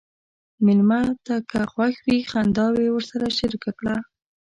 مېلمه ته که خوښ وي، خنداوې ورسره شریکه کړه.